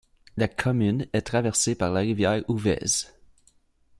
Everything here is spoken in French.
La commune est traversée par la rivière Ouvèze.